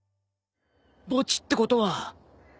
墓地ってことは。